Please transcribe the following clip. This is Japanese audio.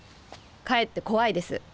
かえって怖いです。